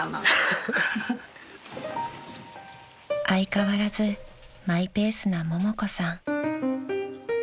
［相変わらずマイペースなももこさん］